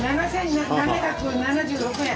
７７７６円。